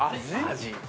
◆味。